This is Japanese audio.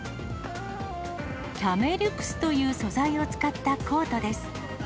キャメリュクスという素材を使ったコートです。